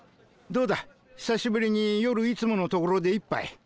どうだ久しぶりに夜いつものところで１杯。